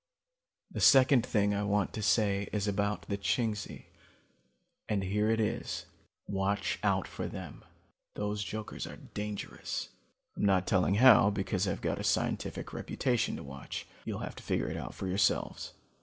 "The second thing I want to say is about the Chingsi, and here it is: watch out for them. Those jokers are dangerous. I'm not telling how because I've got a scientific reputation to watch. You'll have to figure it out for yourselves.